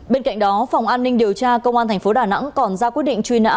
bên cạnh đó phòng an ninh điều tra công an tp đà nẵng còn ra quyết định truy nã